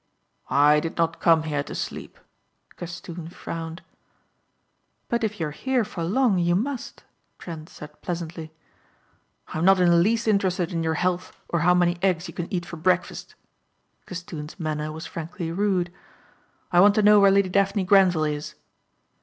"I did not come here to sleep," Castoon frowned. "But if you are here for long you must," Trent said pleasantly. "I am not in the least interested in your health or how many eggs you can eat for breakfast." Castoon's manner was frankly rude. "I want to know where Lady Daphne Grenvil is."